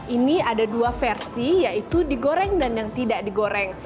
ini ada dua versi yaitu digoreng dan yang tidak digoreng